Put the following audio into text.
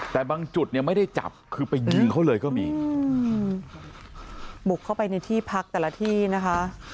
แต่บางจุดเนี่ยไม่ได้จับคือไปยิงเขาเลยก็มีบุกเข้าไปในที่พักแต่ละที่นะคะ